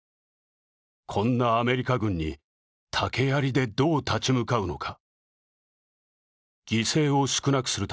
こんなアメリカ軍に竹槍でどう立ち向かうのか。